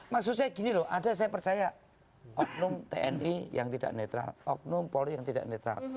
maksud saya gini loh ada saya percaya oknum tni yang tidak netral oknum polri yang tidak netral